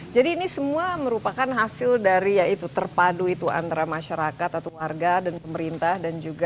jadi ini semua merupakan hasil dari ya itu terpadu itu antara masyarakat atau warga dan pemerintah dan juga